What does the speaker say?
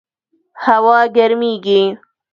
هوا ګرمیږي